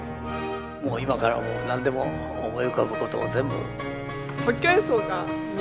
もう今から何でも思い浮かぶことを全部。